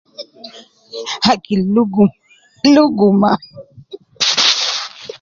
Hee hakil lugu hee, luguma hee